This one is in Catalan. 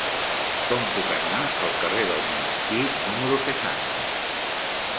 Com puc anar al carrer del Monestir número seixanta?